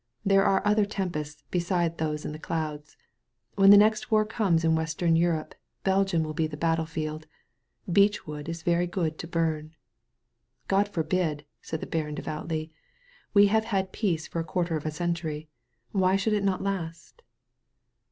''There are other tempests besides those in the clouds. When the next war comes in western Europe Belgium will be the battle field. Beech wood is very good to bum." "God forbid," said the baron devoutly. "We have had peace for a quarter of a century. Why should it not last?"